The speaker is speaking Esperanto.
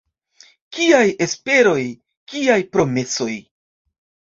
Kiaj esperoj, kiaj promesoj?